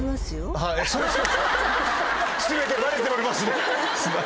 全てバレておりますね。